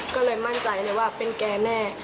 ก็เลยมั่นใจเลยว่าเป็นแกแน่